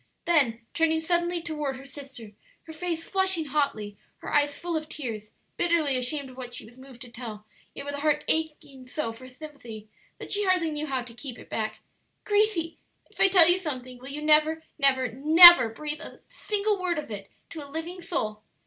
Then turning suddenly toward her sister, her face flushing hotly, her eyes full of tears, bitterly ashamed of what she was moved to tell, yet with a heart aching so for sympathy that she hardly knew how to keep it back, "Gracie, if I tell you something will you never, never, never breathe a single word of it to a living soul?"